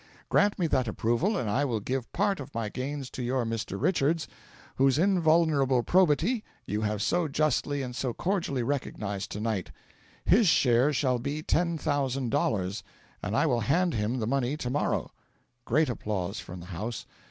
Grant me that approval, and I will give part of my gains to your Mr. Richards, whose invulnerable probity you have so justly and so cordially recognised tonight; his share shall be ten thousand dollars, and I will hand him the money to morrow. (Great applause from the house.